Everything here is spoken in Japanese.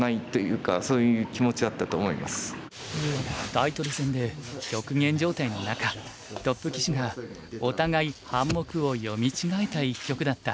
タイトル戦で極限状態の中トップ棋士がお互い半目を読み違えた一局だった。